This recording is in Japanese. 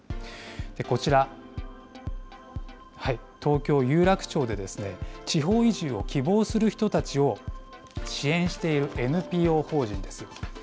こちら、東京・有楽町で、地方移住を希望する人たちを支援しているＮＰＯ法人です。